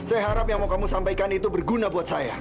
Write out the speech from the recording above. saya harap yang mau kamu sampaikan itu berguna buat saya